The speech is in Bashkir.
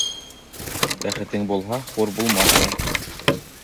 Бәхетең булһа, хур булмаҫһың.